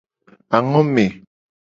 Angome.